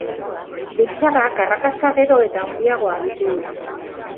Biltzarrak arrakasta gero eta handiagoa bildu du.